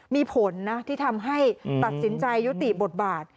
มีผลนะที่ทำให้ตัดสินใจยุติบทบาท